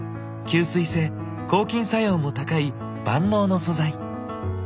吸水性・抗菌作用も高い万能の素材。